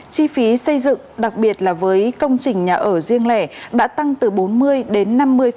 chi phí xây dựng đặc biệt là với công trình nhà ở riêng lẻ đã tăng từ bốn mươi đến năm mươi